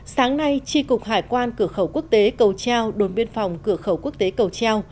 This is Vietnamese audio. sáng nay tri cục hải quan cửa khẩu quốc tế cầu treo đồn biên phòng cửa khẩu quốc tế cầu treo